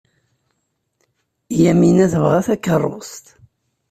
Yamina tebɣa takeṛṛust.